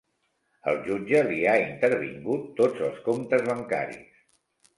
El jutge li ha intervingut tots els comptes bancaris.